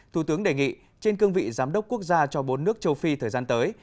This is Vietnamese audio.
thủ tướng đề nghị trên cương vị giám đốc quốc gia cho bốn nước châu phi thời gian tới